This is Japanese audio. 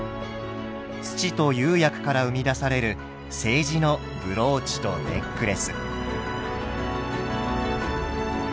土と釉薬から生み出される青磁のブローチとネックレス。